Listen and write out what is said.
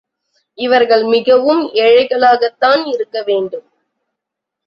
இவர்கள் மிகவும் ஏழைகளாகத்தான் இருக்க வேண்டும்.